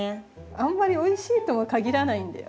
あんまりおいしいとも限らないんだよ。